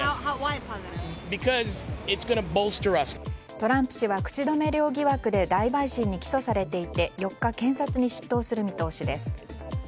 トランプ氏は、口止め料疑惑で大陪審に起訴されていて４日、検察に出頭する見通しです。